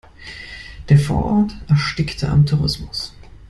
Der Vorort erstickt am Tourismus.